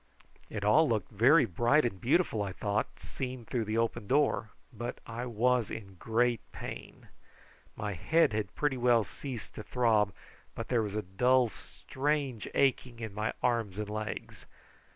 It all looked very bright and beautiful, I thought, seen through the open door, but I was in great pain. My head had pretty well ceased to throb, but there was a dull strange aching in my arms and legs.